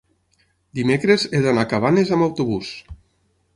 dimecres he d'anar a Cabanes amb autobús.